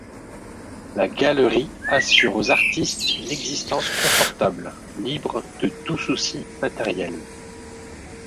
La galerie assure aux artistes une existence confortable, libre de tout souci matériel.